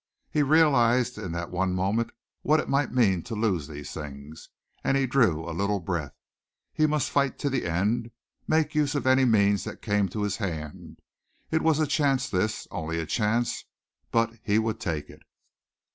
He realized in that one moment what it might mean to lose these things, and he drew a little breath. He must fight to the end, make use of any means that came to his hand. It was a chance this, only a chance, but he would take it!